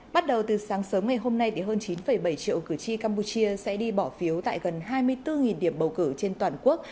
bắt đầu từ sáng sớm ngày hôm nay thì hơn chín bảy triệu cử tri campuchia sẽ đi bỏ phiếu tại gần hai mươi bốn điểm bầu cử trên toàn quốc